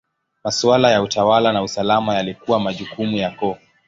Maswala ya utawala na usalama yalikuwa majukumu ya koo.